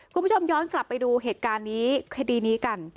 คุณผู้ชมย้อนกลับไปดูเหตุการณ์นี้คดีนี้กัน